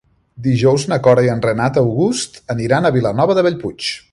Dijous na Cora i en Renat August aniran a Vilanova de Bellpuig.